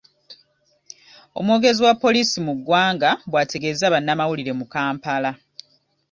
Omwogezi wa poliisi mu ggwanga bwategeezezza bannamawulire mu Kampala.